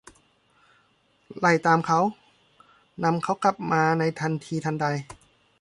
ไล่ตามเขา ; นำเขากลับมาในทันทีทันใด